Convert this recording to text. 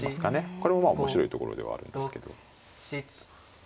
これもまあ面白いところではあるんですけど。